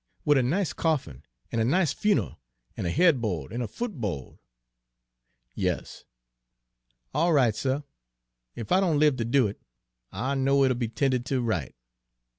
"Wid a nice coffin, an' a nice fune'al, an' a head bo'd an' a foot bo'd?" "Yes." "All right, suh! Ef I don' live ter do it, I'll know it'll be 'tended ter right.